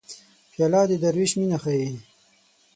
پیاله د دروېش مینه ښيي.